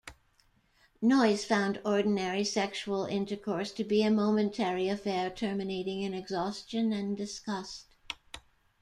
Noyes found ordinary sexual intercourse to be:a momentary affair, terminating in exhaustion and disgust.